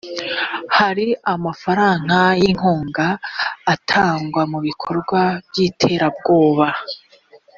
hari amafaranga y’inkunga atangwa mu bikorwa by’iterabwoba